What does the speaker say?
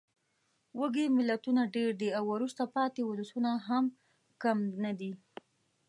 وږې ملتونه ډېر دي او وروسته پاتې ولسونه هم کم نه دي.